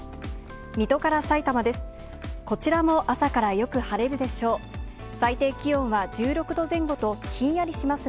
水戸からさいたまです。